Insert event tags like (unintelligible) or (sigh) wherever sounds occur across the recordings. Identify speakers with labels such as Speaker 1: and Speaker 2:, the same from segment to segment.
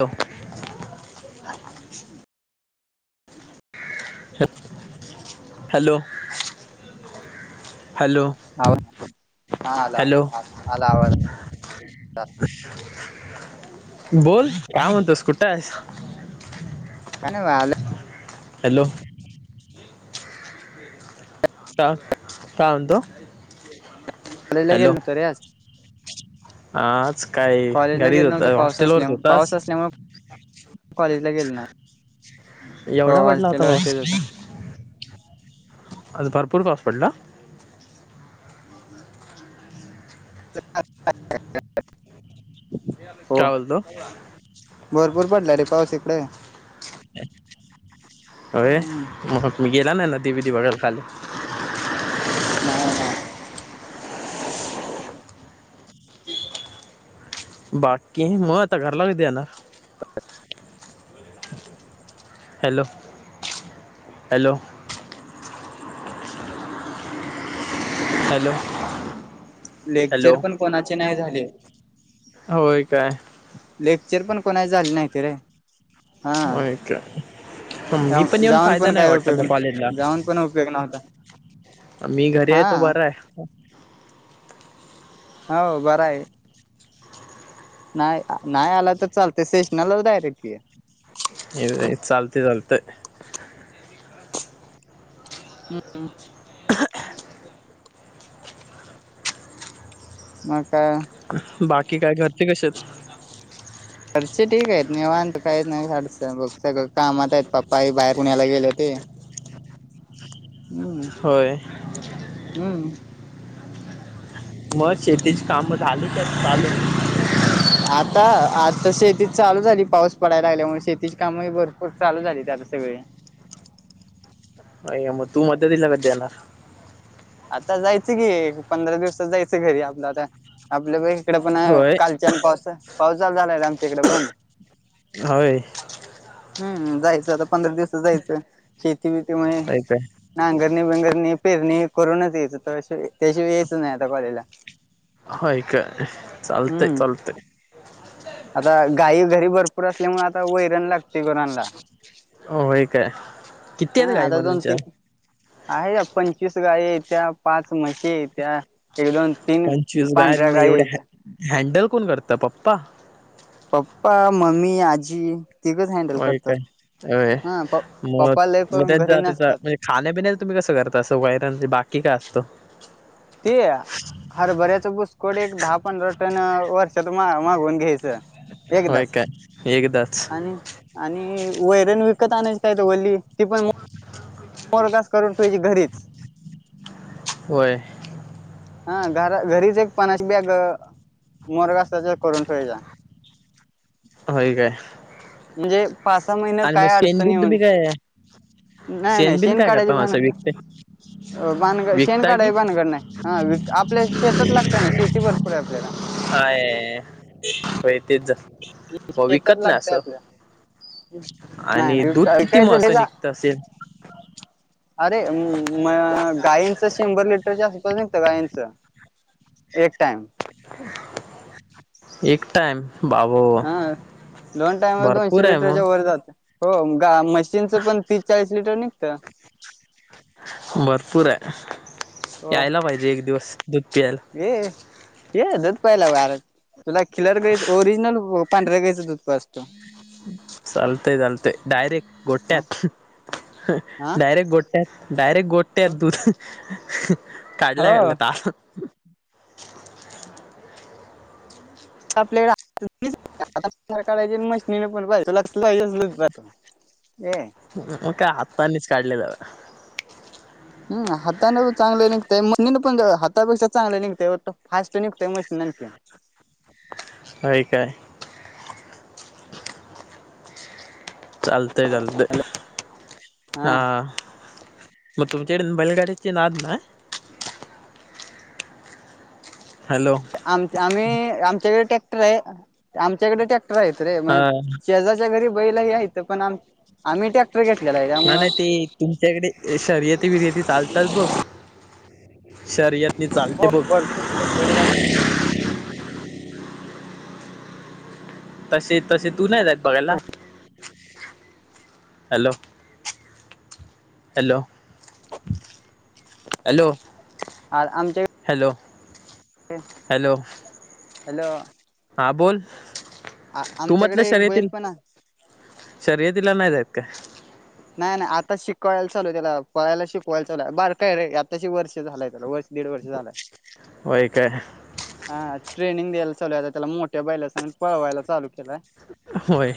Speaker 1: हो. Hello. Hello
Speaker 2: हा आला
Speaker 1: हॅलो
Speaker 2: आला आवाज.
Speaker 1: बोल काय म्हणतोस कुठ आहेस?
Speaker 2: काय नाही आलो.
Speaker 1: हॅलो. का काय म्हणतो?
Speaker 2: चालायला
Speaker 1: हॅलो
Speaker 2: गेलोतो रे आज
Speaker 1: आज काय
Speaker 2: कॉलेजला
Speaker 1: घरीच
Speaker 2: गेलो नव्हतो
Speaker 1: होता
Speaker 2: पाऊस असल्या
Speaker 1: हॉस्टेलवरच होतास
Speaker 2: पाऊस असल्यामुळे. कॉलेजला गेलो ना. हो
Speaker 1: एवढा
Speaker 2: आज
Speaker 1: पडला होता
Speaker 2: त्याल्यावर
Speaker 1: पाऊस
Speaker 2: तेच होत.
Speaker 1: आज भरपूर पाऊस पडला?
Speaker 2: (inaudible) हो
Speaker 1: काय बोलतो
Speaker 2: भरपूर पडला रे पाऊस इकडे?
Speaker 1: अय
Speaker 2: हम्म
Speaker 1: म मी गेला ना ना दिबदिब गेल खाली.
Speaker 2: नाही ना,
Speaker 1: बाकी मग आता घरला कधी आला? Hello hello hello, hello
Speaker 2: lecture पण कोणाचे नाही झाले.
Speaker 1: होय काय.
Speaker 2: लेक्चर पण कोणा झाले नाहीत रे. हा
Speaker 1: होय काय, ह मी पण येऊन
Speaker 2: जाऊन
Speaker 1: फायदा नाही
Speaker 2: काय
Speaker 1: वाटत
Speaker 2: उपयोग
Speaker 1: मग कॉलेजला?
Speaker 2: नाही जाऊन पण उपयोग नव्हता
Speaker 1: मी घरी आहे तो
Speaker 2: हा
Speaker 1: बर आहे.
Speaker 2: हो बर आहे. नाही नाही आला तर चालत सेशनाला डायरेक्ट ये,
Speaker 1: ये ये चालतय चालत,
Speaker 2: हम् मकाय
Speaker 1: बाकी काय घरचे कसे आहेत?
Speaker 2: घरचे ठीक आहेत निेवाांत काहीच नाही (unintelligible) बग सगळं कामात आहेत पप्पा आई बाहेर पुण्याला गेले ते हम्म
Speaker 1: होय
Speaker 2: हम्म
Speaker 1: मग शेतीची काम झाली क चालू
Speaker 2: आता आता शेती चालू झाली पाऊस पडायला लागल्यामुळे शेतीची कामही भरपूर चालू झाली ते आता सगळी ले
Speaker 1: नाही मग तू मदतीला
Speaker 2: आता जायचं की पंधरा दिवसात जायचं घरी आपलं आता आपल्या प इकडे पण
Speaker 1: होय
Speaker 2: कालच्यान पावसा पावसाल झालाय आमच्या इकडे पण,
Speaker 1: होय.
Speaker 2: हम्म जायचं आता पंधरा दिवसात जायचं शेती बेतीमुळे
Speaker 1: होय काय
Speaker 2: नांगरणी बंगर णी पेरणी करूनच यायच त्याशि त्याशिवाय यायच नाही आता कॉलेजला
Speaker 1: होय काय चालतय
Speaker 2: हम्म
Speaker 1: चालतय
Speaker 2: आता गाई घरी भरपूर असल्यामुळे आता वैरण लागते गुरांना
Speaker 1: होय काय? किती आहेत
Speaker 2: हा
Speaker 1: गाय
Speaker 2: आता
Speaker 1: म
Speaker 2: दोन
Speaker 1: तुमच्या?
Speaker 2: तीन आहे पंचवीस गाय येत्या, पाच म्हशी येत्या एक दोन तीन पांढऱ्या गायी याच्या
Speaker 1: कोन करता पप्पा
Speaker 2: पप्पा, मम्मी, आजी, तिघच हँडल
Speaker 1: हो
Speaker 2: करतात
Speaker 1: कायय
Speaker 2: हा प
Speaker 1: मग
Speaker 2: पप्पा लय
Speaker 1: मग
Speaker 2: करून घरी
Speaker 1: त्याचा त्याचा
Speaker 2: नसतात
Speaker 1: म्हणजे खाण्यापिण्याच तुम्ही कसं करता तसं वयर (unintelligible) बाकी काय असतं
Speaker 2: ते हरभऱ्याच भुसकोट एक दहा पंधरा टन वर्षात मागून घ्यायचं.
Speaker 1: होय
Speaker 2: एकदाच
Speaker 1: काय एकदाच
Speaker 2: आणि आणि वैरण विकत आणायच काय त वली ती पण पोरगास करून तझी घरीच
Speaker 1: होय.
Speaker 2: हा घरा घरीच एक पणाशी बीग मोरग असत त्या करून ठेवायच्या
Speaker 1: होय काय?
Speaker 2: म्हणजे पाच सहा महिने
Speaker 1: आणि मग
Speaker 2: काय अडचण
Speaker 1: शेनबिन
Speaker 2: येऊन
Speaker 1: तुम्ही काय?
Speaker 2: नाही
Speaker 1: शेण
Speaker 2: नाही
Speaker 1: बिन काय
Speaker 2: काढायची
Speaker 1: करता मा
Speaker 2: भान
Speaker 1: असं विकते?
Speaker 2: भानगड शेण
Speaker 1: विकता की
Speaker 2: काढायची भानगड नाही हा आपल्या शेतात लागतय ना शेती भरपूर आहे आपल्याला
Speaker 1: हाय, होय तेच हो
Speaker 2: शेतात
Speaker 1: विकत नाही
Speaker 2: लागतय
Speaker 1: असं
Speaker 2: आपल्या नाही
Speaker 1: आणि दूध
Speaker 2: नाही
Speaker 1: किती म
Speaker 2: विकायचं
Speaker 1: अस
Speaker 2: लय जा
Speaker 1: निघत असेल?
Speaker 2: अरे म गायींचं शंभर लिटरच्या आसपास निघत गायींच एक टाइम
Speaker 1: एक टाइम बाबो
Speaker 2: हा दोन टायम दोनशे
Speaker 1: भरपूर आहे मग
Speaker 2: लिटरच्या वर जात हो गा मशीनचं पण तीस चाळीस लिटर निघत.
Speaker 1: भरपूर आहे
Speaker 2: हो
Speaker 1: यायला पाहिजे एक दिवस दूध पियायला.
Speaker 2: ये दूध प्यायला आर तुला खिलर घ्यायं ओरिजिनल पांढर्या घ्यायचं दूध पाज
Speaker 1: चालते चालत डयरेक्ट
Speaker 2: हा
Speaker 1: गोठ्यात
Speaker 2: हा
Speaker 1: डयरेक्ट गोठ्यात डायरेक्ट गोठ्यात दूधहा हह काढल्या
Speaker 2: हो
Speaker 1: काढल्या हाह तल
Speaker 2: आपल्याकड काढायची मशनीन पण पाहायचं लक्ष स (unintelligible)
Speaker 1: का हातानीच काढले जाव
Speaker 2: हम् हातान चांगलं निघतय. मशीनी पण पण हातापेक्षा चांगलं निघतय फास्ट निघतय मशनिन की
Speaker 1: होय काय? चालते चालते हा म तुमच्याकड बैलगाडीची नाद ना हॅलो
Speaker 2: आमच्- आम्ही आमच्याकडं ट्रॅक्टरेय आमच्याकड ट्रॅक्टर टर हायत रे म
Speaker 1: हा
Speaker 2: शेजारच्या घरी बैलंही आहेत पण आम - आम्ही ट्रॅक्टर घेत
Speaker 1: ना नाय ते तुमच्याकडे शर्यती बिर्यती चालतात बघ - शर्यती चालते
Speaker 2: हो
Speaker 1: बघ.
Speaker 2: भरपूर बैलगाडी
Speaker 1: तसे तसे तू नाय जात बघायला. Hello - hello, hello.
Speaker 2: आ (unintelligible) आमच्या
Speaker 1: हॅलो हॅलो.
Speaker 2: हॅलो.
Speaker 1: हा बोल,
Speaker 2: आ
Speaker 1: तू मतलं
Speaker 2: आमच्याकडे एक बैल
Speaker 1: शर्यतील
Speaker 2: पण आहे.
Speaker 1: शर्यत तिला नाय (unintelligible)
Speaker 2: नाय नाय आता शिकवायला चालुये त्याला, पळायला शिकवायला चालूय, बारकाय रे आताशी वर्ष झालंय त्याला वर्ष दीड वर्ष झालाय,
Speaker 1: होय काय
Speaker 2: आ ट्रेनिंग (unintelligible) चालुय आता त्याला मोठ्या बैला संग पळवायला चालू
Speaker 1: होय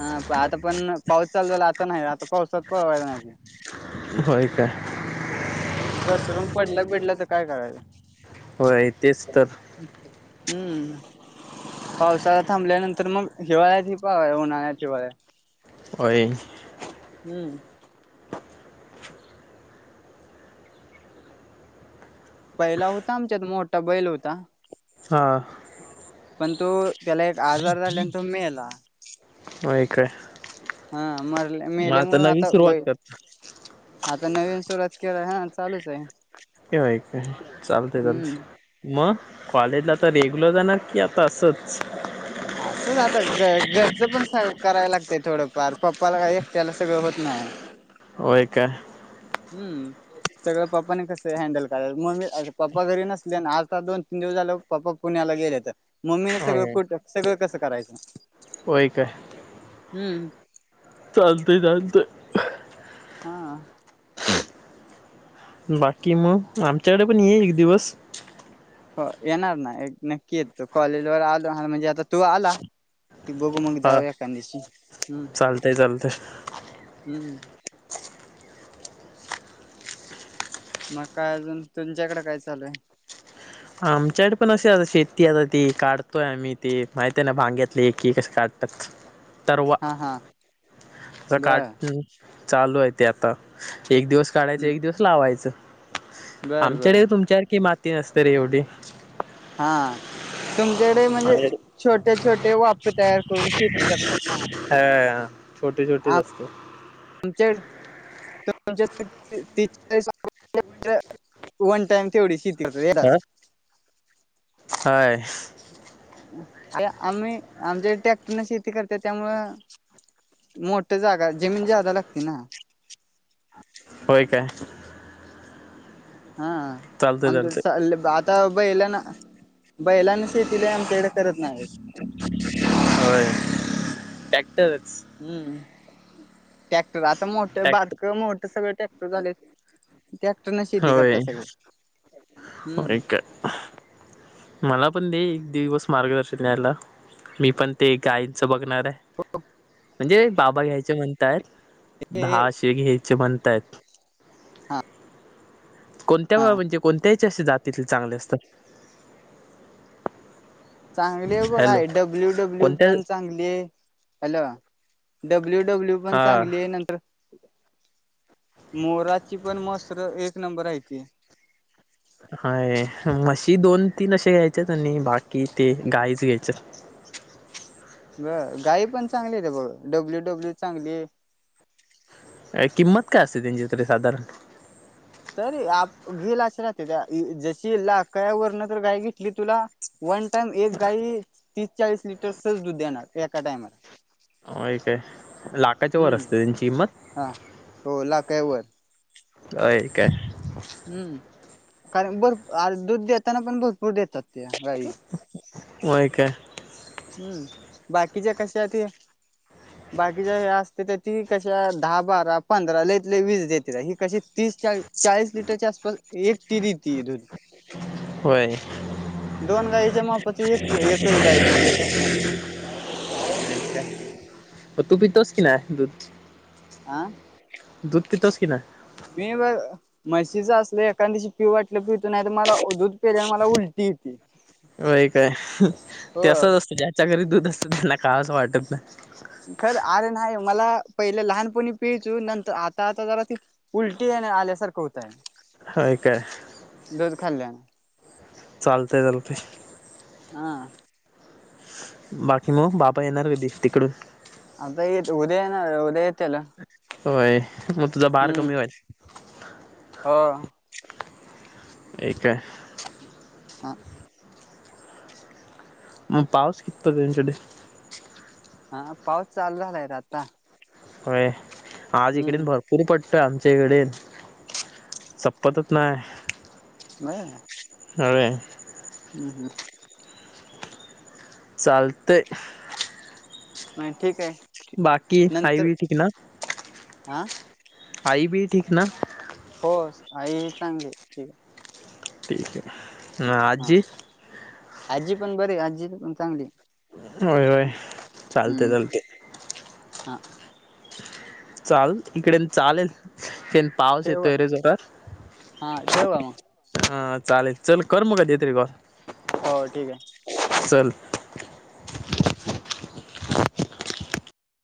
Speaker 2: हा आता पण पाऊस चालू झाला. आता नाय आता पावसात पळवायला नाही
Speaker 1: होय काय
Speaker 2: हम् घसरून पडलं बिडलं तर काय करायच
Speaker 1: होय तेच तर
Speaker 2: हम्म पावसाळा थांबल्यानंतर मग हिवाळ्यात हि पा उन्हाळ्यात हिवाळ्या
Speaker 1: व्हय.
Speaker 2: हम्म पहिला हुता आमच्यात मोठा बैल हुता
Speaker 1: हा.
Speaker 2: पण तो त्याला एक आजार झाल्यानं, तो मेला
Speaker 1: होय काय
Speaker 2: हा मरल्या
Speaker 1: मग
Speaker 2: मेल्यामुळं
Speaker 1: नवीन
Speaker 2: आता बै
Speaker 1: सुरुवात करतो
Speaker 2: आता नवीन सुरवात (unintelligible) हा चालूच आय.
Speaker 1: काय काय, चालतंय चालतंय म कॉलेजला आता रेग्युलर जाणार की आता असंच?
Speaker 2: असंच आता घ घरचं पण सग कराय लागतय थोडंफार, पप्पाला काय एकट्याला सगळं होत नाय.
Speaker 1: होय काय?
Speaker 2: हम्म. सगळं पप्पानी कसं हँडल करायच, म (unintelligible) मी पप्पा घरी नसले‌ना, आता दोन तीन दिवस झाल पप्पा पुण्या ला गेल्यातं मम्मी न सगळं कुठं, सगळं कसं करायचं.
Speaker 1: व्हय काय?
Speaker 2: हम्म
Speaker 1: चालतंय चालतंय अह
Speaker 2: हा.
Speaker 1: बाकी म आमच्याकडे पण ये एक दिवस
Speaker 2: हो येणार ना, एक नक्की येतो कॉलेजवर आलो (unintelligible) म्हणजे आता तू आला कि बघू मंग
Speaker 1: हा
Speaker 2: जावू एखांद्याशी हम्
Speaker 1: चालतंय चालतंय
Speaker 2: हम्म मग काय अजून तुमच्याकडे काय चालूय?
Speaker 1: आमच्याकडे पण अ (unintelligible) शेती आता ती, काढतोय आम्ही ते माहित आहे ना भांग्यातले की कस काढ (unintelligible) तरवा
Speaker 2: हा हा
Speaker 1: च
Speaker 2: बर
Speaker 1: काट (unintelligible) चालू आय ते आता, एक दिवस काढायचं
Speaker 2: हम्म
Speaker 1: एक दिवस लावायचं
Speaker 2: बर बर
Speaker 1: आमच्याकडे तुमच्या सारखी माती नसते रे एवढी
Speaker 2: हा. तुमच्याकडे
Speaker 1: हा
Speaker 2: म्हणजे छोट्या छोटे वाफ तयार करून शेती करतात ना
Speaker 1: छोटी छोटीच असते.
Speaker 2: आमच्या (unintelligible) वन टाइम तेवडीशी
Speaker 1: आ हाय
Speaker 2: (unintelligible) आम्ही आमच्यात ट्रॅक्टरन शेती करत्यात त्यामुळ मोठ्या जागा जमीन जादा लागती ना
Speaker 1: होय काय?
Speaker 2: हा
Speaker 1: चालतंय चालतंय
Speaker 2: आमच्याकड (unintelligible) आता बैलाना बैलांना शेतीला आमच्याकडे करत नाही.
Speaker 1: होय ट्रॅक्टरच
Speaker 2: हम्म टॅक्टर आता मोठं बारक
Speaker 1: ट्रॅक्टर
Speaker 2: मोठ सगळं ट्रॅक्टर झा
Speaker 1: होयय
Speaker 2: हम्म
Speaker 1: का मला. पण दे एक दिवस मार्गदर्शन द्यायला मी पण ते गायींचं बघणार. आहे.
Speaker 2: हो.
Speaker 1: म्हणजे बाबा घ्यायचे म्हणतायत
Speaker 2: ते
Speaker 1: दहाशीे घ्यायचे म्हणतायत.
Speaker 2: हा.
Speaker 1: कोणत्या
Speaker 2: हा
Speaker 1: व म्हणजे कोणत्याही असे जातीथले चांगले असतात.
Speaker 2: चांगलीय बघ
Speaker 1: हॅलो
Speaker 2: आय डब्ल्यू डब्ल्यू
Speaker 1: कोणत्या
Speaker 2: पण चांगलीये, हॅलो डब्ल्यू डब्ल्यू पण
Speaker 1: हा
Speaker 2: चांगलीये नंतर मोराची पण मसर एक नंबर हायती
Speaker 1: हाय मशी दोन तीन असे घ्यायचेत आणि बाकी ते गाईच घ्यायच.
Speaker 2: ब गाई पण चांगल्यात्या बघ डब्ल्यू डब्ल्यू चांगलीये
Speaker 1: अ किंमत काय असते त्यांची तरी साधारण?
Speaker 2: तरी आप गेलाचं राहते त्या इ जशी लाकाया वरन तर गाय घेतली तुला वन टाइम एक गाई तीस, चाळीस लिटर सज दूध देणार एका टायमाला
Speaker 1: होय काय? लाखाच्या वर
Speaker 2: हम्म
Speaker 1: असते त्यांची किंमत?
Speaker 2: हा हो लाकड्यावर
Speaker 1: अय काय.
Speaker 2: हम्म कारण भरू दूध देताना पण भरपूर देतात. त्या गाई
Speaker 1: होय काय?
Speaker 2: हम्म बाकीच्या कश ते बाकीच्या असते त्या. ती कशा दहा बारा पंधरा लईत ल वीस देते ही कशी तीस चाळी चाळीस लिटरच्या आसपास एक टी द त दून
Speaker 1: होय.
Speaker 2: गायीच्या मापाची एक एकच गाय दूध देत असणार
Speaker 1: (unintelligible) अ तू पितोस की नाही दूध.
Speaker 2: आ.
Speaker 1: दूध पितोस की ना.
Speaker 2: मी ब म्हशीच असल एखादशी पिव वाटलं पिवतो नाही तर मला.. दूध पेल्याने मला उलटी येती
Speaker 1: होय काय ते
Speaker 2: हो
Speaker 1: असंच असतं त्याच्या घरी दु.. तस त्यांना का असं वाटत नाही..
Speaker 2: खर अरे नाही मला.. पहिले लहानपणी पियचू नंतर आता आता जरा ती उलटी आल्यासारखं होतय..
Speaker 1: होय काय
Speaker 2: दुध खाल्यान..
Speaker 1: चालतंय चालतंय..
Speaker 2: हा.
Speaker 1: बाकी मग बाबा येणार कधी तिकडून?
Speaker 2: आता उद्या येणार उद्या येेत्याल.
Speaker 1: होय, मग तुझा भार कमी व्हायल?
Speaker 2: हो.
Speaker 1: ठीक ये.
Speaker 2: हा.
Speaker 1: मग पाऊस किती तुमच्याकडे?
Speaker 2: हा पाऊस चालू झालाय र आता.
Speaker 1: हो आज इकडे
Speaker 2: हम्म
Speaker 1: भरपूर पड आमच्याकडे, संपतच नाही
Speaker 2: नाही..
Speaker 1: होय. चालतंय.
Speaker 2: नाही ठीके.
Speaker 1: बाकी आई बी ठीक ना,
Speaker 2: हा
Speaker 1: आई बी ठीक ना?
Speaker 2: हो आई चांगली आहे, ठीके.
Speaker 1: ठीके अ आज्जी?
Speaker 2: आजी पण बरी आजी पण चांगलीय.
Speaker 1: होय, होय. चालतंय, चालतंय.
Speaker 2: हा.
Speaker 1: चाल इकडे चालेल (unintelligible) पाऊस
Speaker 2: ठेव
Speaker 1: येतोय रे जरा,
Speaker 2: हा ठेव मग
Speaker 1: हा चालेल चलं कर मग आधी ते काम.
Speaker 2: हो ठीक ये.
Speaker 1: चल.